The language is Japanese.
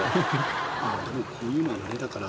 でもこういうのは慣れだから。